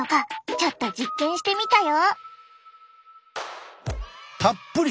ちょっと実験してみたよ。